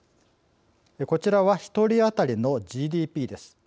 こちらは、ひとり当たりのＧＤＰです。